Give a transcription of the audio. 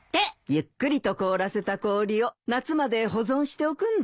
ゆっくりと凍らせた氷を夏まで保存しておくんだよ。